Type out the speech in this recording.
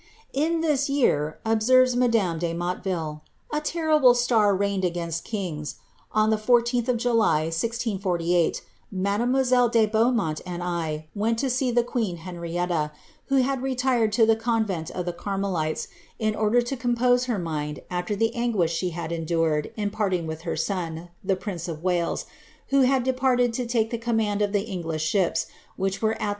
••In this year," observes madame de3Iotleville,"a terrible star reigned against kings. On the 14th of July, 16(8, mademuiselle dc Beaumont aiid I went to see the queen Henrietta, who had retired to the convent of the Carmelites, in order to compose her mind after the anguish she had endured in parting with her son, the prince of Wales, who had de parted to take the command of the Engiisii ships which were at that ' Madame de Motteville, vol. ii.